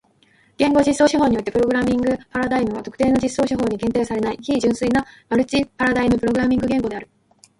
言語実装手法においてのプログラミングパラダイムは特定の実装手法に限定されない非純粋なマルチパラダイムプログラミング言語である。